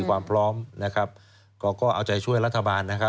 ผมไม่วงรู้กับคนเลวเลยผมไม่ต้องการไม่ควร